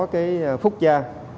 cái phúc gia